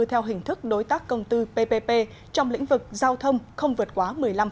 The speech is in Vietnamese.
theo hình thức đối tác công tư ppp trong lĩnh vực giao thông không vượt quá một mươi năm